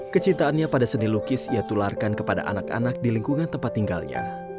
kecintaannya pada seni lukis ia tularkan kepada anak anak di lingkungan tempat tinggalnya